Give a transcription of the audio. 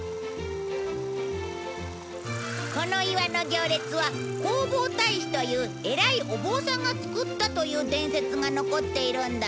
この岩の行列は弘法大師という偉いお坊さんが造ったという伝説が残っているんだ。